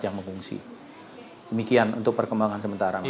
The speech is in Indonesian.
demikian untuk perkembangan sementara